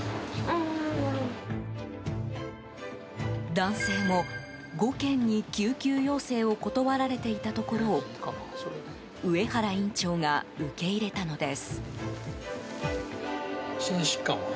男性も、５軒に救急要請を断られていたところを上原院長が受け入れたのです。